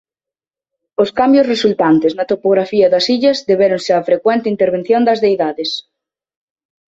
Os cambios resultantes na topografía das illas debéronse á frecuente intervención das deidades.